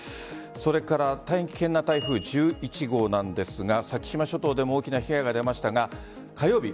それから大変な台風１１号なんですが先島諸島でも大きな被害が出ましたが火曜日